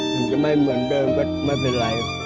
ถึงจะไม่เหมือนเดิมก็ไม่เป็นไร